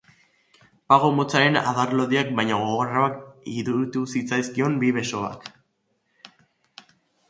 Pago-motzaren adar lodiak baino gogorragoak iruditu zitzaizkion bi besoak.